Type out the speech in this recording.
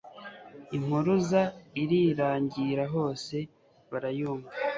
impuruza irirangira hose barayumva